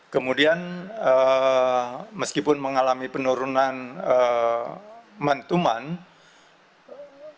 kemudian meskipun mengalami penurunan month to month